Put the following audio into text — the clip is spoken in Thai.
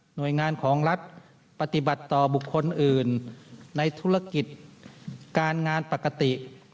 หน่วยงานของรัฐปฏิบัติต่อบุคคลอื่นในธุรกิจการงานปกติ